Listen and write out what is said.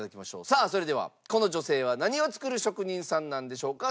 さあそれではこの女性は何を作る職人さんなんでしょうか？